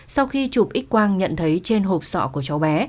sau khi chụp x quang nhận thấy trên hộp sọ của cháu bé